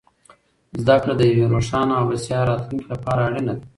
زده کړه د یوې روښانه او بسیا راتلونکې لپاره اړینه ده.